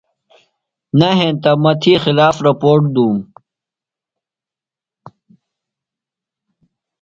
نہ ہینتہ مہ تھی خلاف رپوٹ دُوم۔